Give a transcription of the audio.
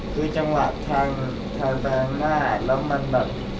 คือจังหวะทางทางหน้าแล้วมันแบบ